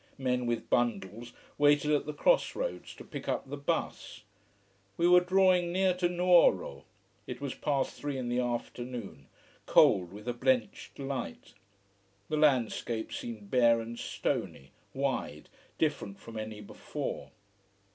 Men with bundles waited at the cross roads to pick up the bus. We were drawing near to Nuoro. It was past three in the afternoon, cold with a blenched light. The landscape seemed bare and stony, wide, different from any before.